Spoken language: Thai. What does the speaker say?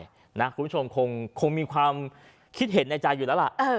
คุณผู้ชมคงมีความคิดเห็นในใจอยู่แล้วล่ะ